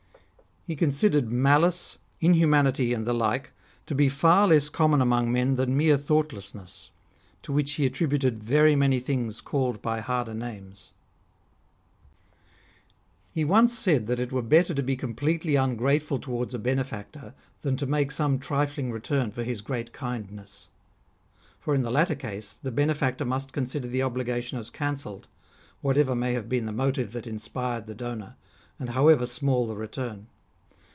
He considered malice, inhumanity, and the like to be far less common among men than mere thoughtlessness, to which he attributed very many things called by harder names. PHILIP OTTONIERI. 127 He once said that it were better to be completely un CTateful towards a benefactor than to make some trifling: return for his great kindness. For in the latter case the benefactor must consider the obligation as cancelled, whatever may have been the motive that inspired the donor, and however small the return.